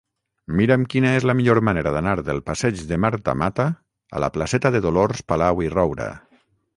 Mira'm quina és la millor manera d'anar del passeig de Marta Mata a la placeta de Dolors Palau i Roura.